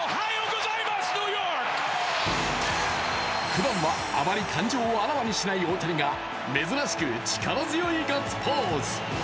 ふだんは、あまり感情をあらわにしない大谷が珍しく力強いガッツポーズ。